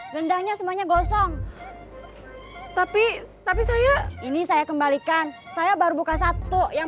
rendangnya semuanya gosong tapi tapi saya ini saya kembalikan saya baru buka satu yang